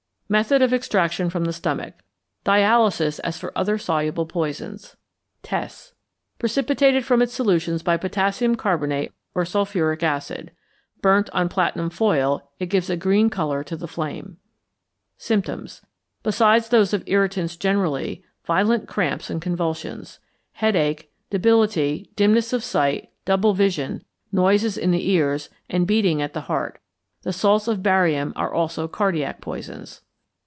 Method of Extraction from the Stomach. Dialysis as for other soluble poisons. Tests. Precipitated from its solutions by potassium carbonate or sulphuric acid. Burnt on platinum foil, it gives a green colour to the flame. Symptoms. Besides those of irritants generally, violent cramps and convulsions, headache, debility, dimness of sight, double vision, noises in the ears, and beating at the heart. The salts of barium are also cardiac poisons.